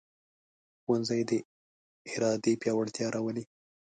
ښوونځی د ارادې پیاوړتیا راولي